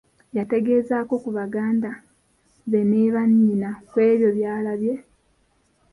Yategeezaako ku baganda be ne bannyina ku ebyo by’alabye!